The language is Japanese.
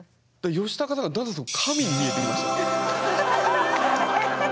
ヨシタカさんがだんだん神に見えてきました。